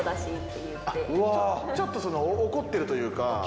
ちょっと怒ってるというか？